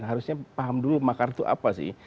harusnya paham dulu makar itu apa sih